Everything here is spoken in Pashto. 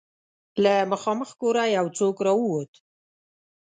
له مخامخ کوره يو څوک را ووت.